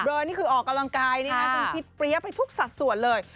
เวิร์นนี่คือออกกำลังกายเนี่ยต้องพรี๊บไปทุกสัดส่วนเลย